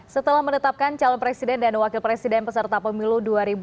setelah menetapkan calon presiden dan wakil presiden peserta pemilu dua ribu dua puluh